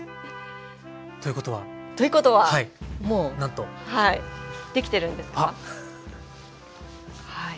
ということは。ということはもうできてるんですか？